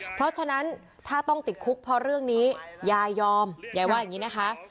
เพราะฉะนั้นถ้าต้องติดคุกเพราะเรื่องนี้ยายยอมยายว่าอย่างนี้นะคะ